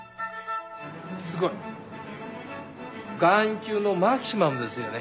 すごい！眼球のマキシマムですよね。